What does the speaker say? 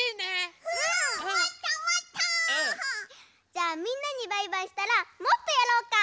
じゃあみんなにバイバイしたらもっとやろうか。